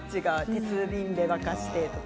鉄瓶で沸かしてとか。